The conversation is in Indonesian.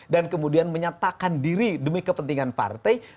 dan kemudian menyatakan diri demi kepentingan partai